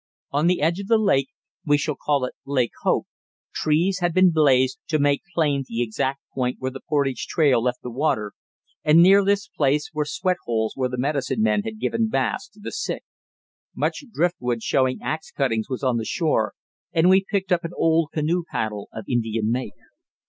On the edge of the lake we shall call it Lake Hope trees had been blazed to make plain the exact point where the portage trail left the water, and near this place were sweat holes where the medicine men had given baths to the sick. Much drift wood showing axe cuttings was on the shore, and we picked up an old canoe paddle of Indian make.